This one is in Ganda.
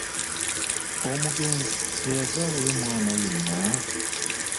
Omugenzi teyazaalayo mwana yenna?